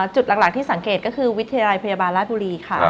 จุดหลักที่สังเกตก็คือวิทยาลัยพยาบาลราชบุรีค่ะ